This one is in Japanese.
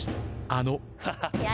あの。